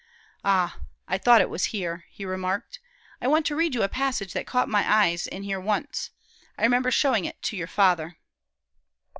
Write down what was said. "Ah, I thought it was here," he remarked. "I want to read you a passage that caught my eyes in here once. I remember showing it to your father."